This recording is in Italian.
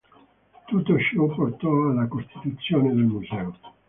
Tutto ciò portò alla costituzione del museo.